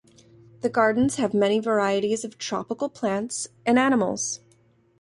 The gardens have many varieties of tropical plants and animals.